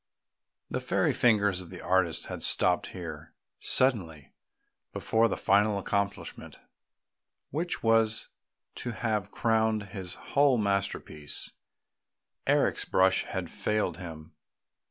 The fairy fingers of the artist had stopped here, suddenly; before the final accomplishment, which was to have crowned his whole masterpiece, Eric's brush had failed him.